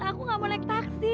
aku gak mau naik taksi